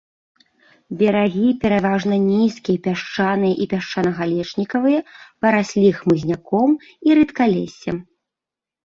Берагі пераважна нізкія, пясчаныя і пясчана-галечнікавыя, параслі хмызняком і рэдкалессем.